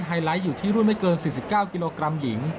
ไลท์อยู่ที่รุ่นไม่เกิน๔๙กิโลกรัมหญิง